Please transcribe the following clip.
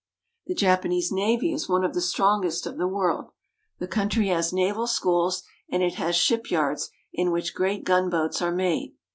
The Japanese navy is one of the strengest of the world. The country has naval schools, and it has ship yards in which great gunboats are made.